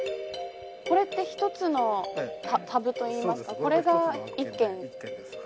これで１つのタブといいますかこれが１軒。